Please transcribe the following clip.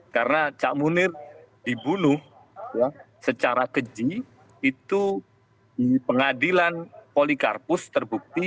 karena cak munir dibunuh secara keji itu di pengadilan polikarpus terbukti